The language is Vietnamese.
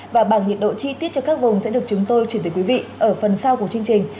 và bảng nhiệt độ chi tiết cho các vùng sẽ được chúng tôi chuyển tới quý vị ở phần sau của chương trình